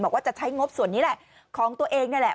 บอกว่าจะใช้งบส่วนนี้แหละของตัวเองนี่แหละ